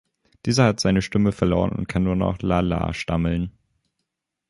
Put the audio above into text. Dieser hat seine Stimme verloren und kann nur noch „La, la“ stammeln.